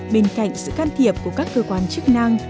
bên cạnh sự can thiệp của các cơ quan chức năng